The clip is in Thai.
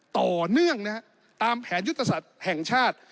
ต่อเนื่องนะฮะตามแผนยุทธศาสตร์แห่งชาติ